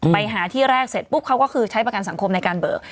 ไปหาที่แรกเสร็จปุ๊บเขาก็คือใช้ประกันสังคมในการเบิก